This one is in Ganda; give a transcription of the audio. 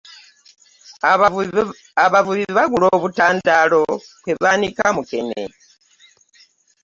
Abavubi bagula obutandaalo kwe baanika mukene.